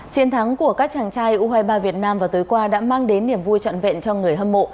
chiến thắng của các chàng trai u hai mươi ba việt nam vào tối qua đã mang đến niềm vui trọn vẹn cho người hâm mộ